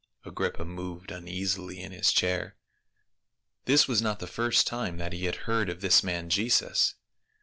" Agrippa moved uneasily in his chair. This was not the first time that he had heard of this man Jesus.